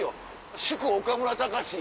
祝岡村隆史